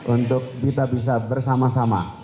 untuk kita bisa bersama sama